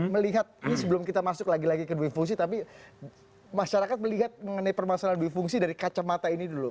melihat ini sebelum kita masuk lagi lagi ke dwi fungsi tapi masyarakat melihat mengenai permasalahan dwi fungsi dari kacamata ini dulu